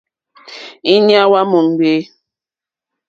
Íɲá hwá mò ŋɡbè.